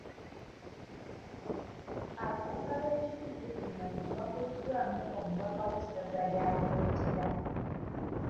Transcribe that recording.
Ababaka b’ekitundu kino nga bakuliddwamu omubaka w’essaza lya Kyotera.